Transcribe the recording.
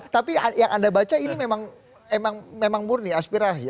tapi yang anda baca ini memang murni aspirasi